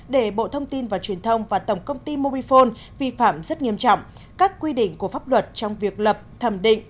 để bộ thông tin và truyền thông và tổng công ty mobifone vi phạm rất nghiêm trọng các quy định của pháp luật trong việc lập thẩm định